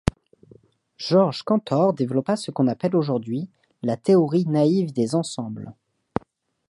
Georg Cantor développa ce qu'on appelle aujourd'hui la théorie naïve des ensembles.